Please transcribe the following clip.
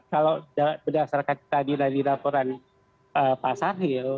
kalau berdasarkan tadi dari laporan pak saril